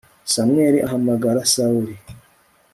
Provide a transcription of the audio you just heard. samweli ahamagara sawuli